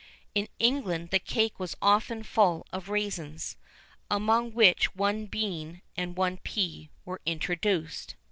[VIII 19] In England the cake was often full of raisins, among which one bean and one pea were introduced.